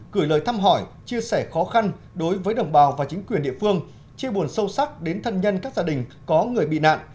gửi lời thăm hỏi chia sẻ khó khăn đối với đồng bào và chính quyền địa phương chia buồn sâu sắc đến thân nhân các gia đình có người bị nạn